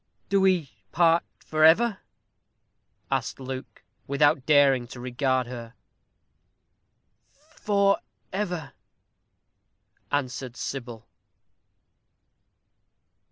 "Do we part for ever?" asked Luke, without daring to regard her. "FOR EVER!" answered Sybil.